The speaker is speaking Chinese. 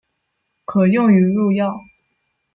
可用于入药。